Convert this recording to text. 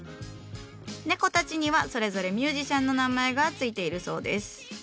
猫たちにはそれぞれミュージシャンの名前が付いているそうです。